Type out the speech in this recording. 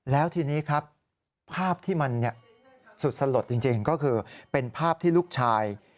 แล้วทีนี้ครับภาพที่มันสุดสลดจริงก็คือเป็นภาพที่ลูกชาย